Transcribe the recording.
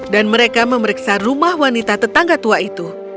dan mereka memeriksa rumah wanita tetangga tua itu